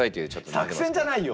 作戦じゃないよ。